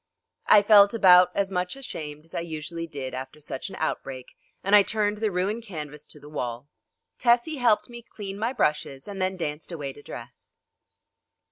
I felt about as much ashamed as I usually did after such an outbreak, and I turned the ruined canvas to the wall. Tessie helped me clean my brushes, and then danced away to dress.